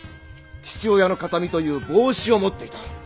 父親の形見という帽子を持っていた。